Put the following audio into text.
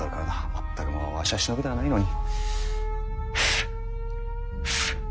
全くもうわしは忍びではないのに。